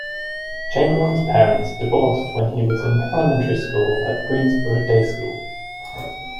Chamberlain's parents divorced when he was in elementary school at Greensboro Day School.